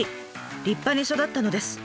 立派に育ったのです。